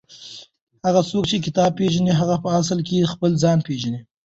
هغه څوک چې کتاب پېژني هغه په اصل کې خپل ځان پېژني.